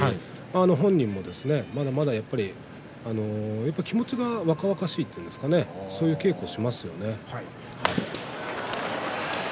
本人もまだまだ気持ちが若々しいですね、そういった稽古をします。